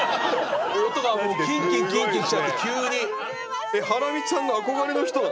音がもうキンキンキンキンきちゃって急に。